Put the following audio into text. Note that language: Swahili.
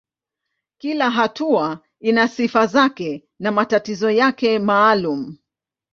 Kila hatua ina sifa zake na matatizo yake maalumu.